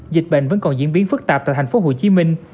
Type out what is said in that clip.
dịch bệnh vẫn còn diễn biến phức tạp tại thành phố hồ chí minh